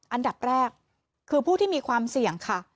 อันดับแรกคือผู้ที่มีความเสี่ยงค่ะ